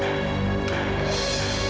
berjumpa aku disini